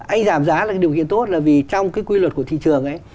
anh giảm giá là điều kiện tốt là vì trong cái quy luật của thị trường ấy